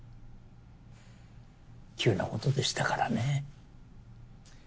急なことでしたからね。